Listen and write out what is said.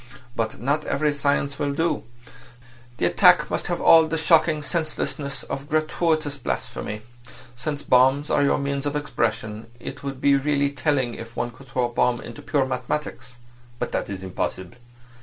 But not every science will do. The attack must have all the shocking senselessness of gratuitous blasphemy. Since bombs are your means of expression, it would be really telling if one could throw a bomb into pure mathematics. But that is impossible.